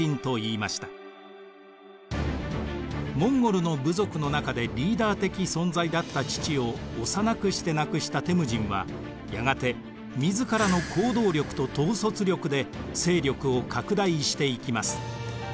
モンゴルの部族の中でリーダー的存在だった父を幼くして亡くしたテムジンはやがて自らの行動力と統率力で勢力を拡大していきます。